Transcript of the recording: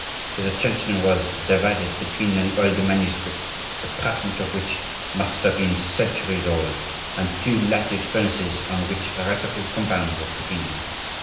His attention was divided between an old manuscript, the parchment of which must have been centuries old, and two lighted furnaces on which heretical compounds were cooking.